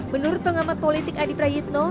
menurut pengamat politik adi prayitno